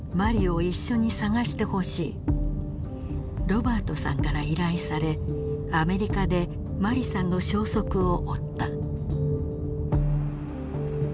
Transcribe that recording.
ロバァトさんから依頼されアメリカでマリさんの消息を追った。